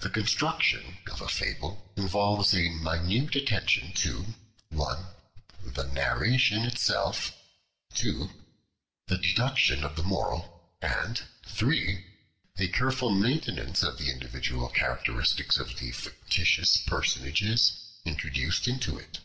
The construction of a fable involves a minute attention to (1) the narration itself; (2) the deduction of the moral; and (3) a careful maintenance of the individual characteristics of the fictitious personages introduced into it.